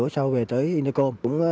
từ hối sâu về tới yên đê côn